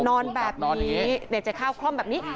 นอนแบบนี้เจ๊ข้าวคล่อมแบบนี้